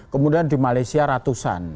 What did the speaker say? kemudian di malaysia ratusan